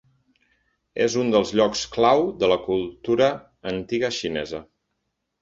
És un dels llocs clau de la cultura antiga xinesa.